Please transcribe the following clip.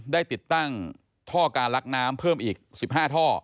ได้ติดตั้งท่อการลักน้ำเพิ่มอีก๑๕ท่อ